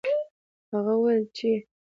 هغه وویل چې